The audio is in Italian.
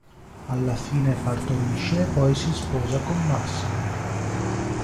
Alla fine partorisce e poi si sposa con Massimo.